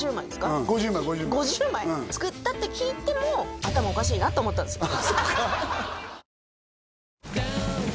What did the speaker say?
うん５０枚５０枚５０枚作ったって聞いても頭おかしいなと思ったんですよ